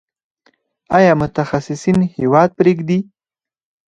آیا متخصصین هیواد پریږدي؟